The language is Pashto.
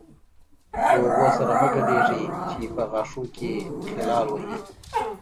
له هغو سره مه ګډېږئ چې په غاښونو کې خلال وهي.